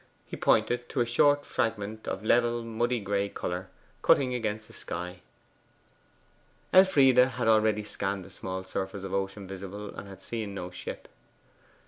He pointed to a short fragment of level muddy gray colour, cutting against the sky. Elfride had already scanned the small surface of ocean visible, and had seen no ship.